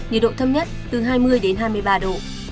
nhiệt độ thấp nhất phía bắc từ hai mươi hai mươi ba độ